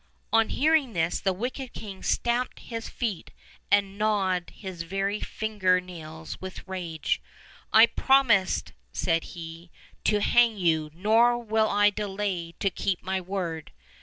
On hearing this, the wicked king stamped his feet and gnawed his very finger nails with rage. "I promised," said he, "to hang you, nor will I delay to keep my word."